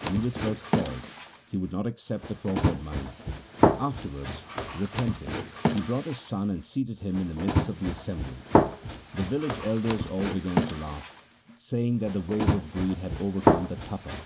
When he was first called, he would not accept the proffered money ; afterwards repenting he brought his son and seated him in the midst of the assembly. The village elders all began to laugh, saying that the wave of greed had overcome the Tapa.